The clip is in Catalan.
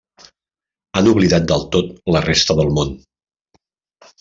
Han oblidat del tot la resta del món.